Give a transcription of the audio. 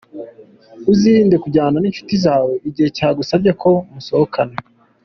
Uzirinde kujyana n’inshuti zawe igihe yagusabye ko musohokana.